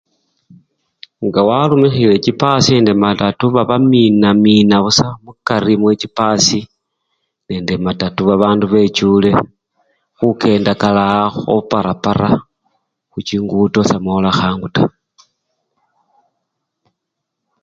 Nga warumikhile chipasi nende matatu babamina mina busa mukari mechipasi nende matatu babandu bechule, khukenda kalaaa khuparapara, khuchingudo semwola khangu taa.